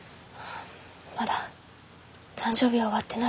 まだ誕生日は終わってないので。